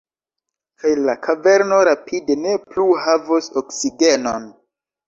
Kaj la kaverno rapide ne plu havos oksigenon.